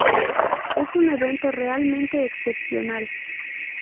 Es un evento realmente excepcional.